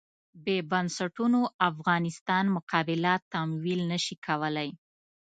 بې بنسټونو افغانستان مقابله تمویل نه شي کولای.